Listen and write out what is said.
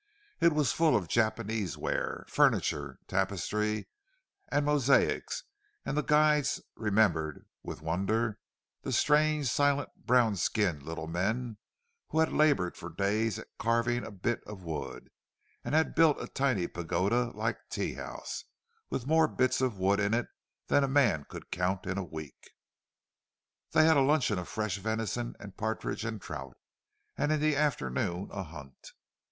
It was full of Japanese ware—furniture, tapestry, and mosaics; and the guides remembered with wonder the strange silent, brown skinned little men who had laboured for days at carving a bit of wood, and had built a tiny pagoda like tea house with more bits of wood in it than a man could count in a week. They had a luncheon of fresh venison and partridges and trout, and in the afternoon a hunt.